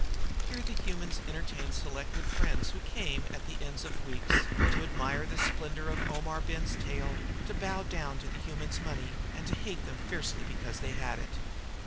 Here the humans entertained selected friends who came at the ends of weeks to admire the splendor of Omar Ben's tail, to bow down to the humans' money, and to hate them fiercely because they had it.